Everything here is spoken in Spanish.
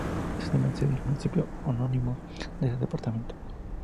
Es además sede del municipio homónimo de ese departamento.